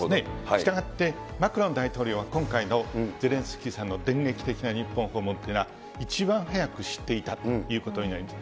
したがって、マクロン大統領は今回のゼレンスキーさんの電撃的な日本訪問というのは、一番早く知っていたということになります。